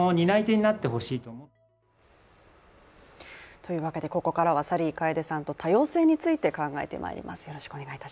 というわけでここからは、サリー楓さんと多様性について考えてまいります。